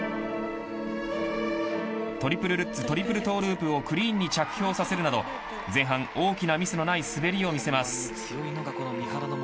トリプルルッツトリプルトゥループをクリーンに着氷させるなど前半、大きなミスのない滑りを見せます。